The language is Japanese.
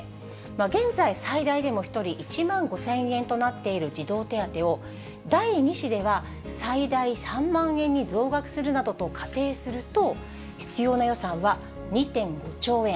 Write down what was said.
現在、最大でも１人１万５０００円となっている児童手当を、第２子では最大３万円に増額するなどと仮定すると、必要な予算は２．５兆円。